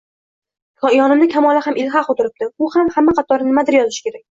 Yonimda Kamola ham ilhaq o`tiribdi u ham hamma qatori nimadir yozishi kerak